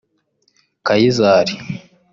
Kayizari